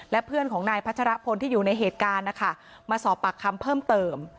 และเพื่อนของนายพัชรพลที่อยู่ในเหตุการณ์นะคะมาสอบปากคำเพิ่มเติม